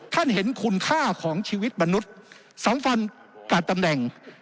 ท่านเห็นคุณค่าของชีวิตมนุษย์๒๐๐๘ตำแหน่ง